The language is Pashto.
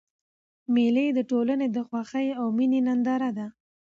مېلې د ټولني د خوښۍ او میني ننداره ده.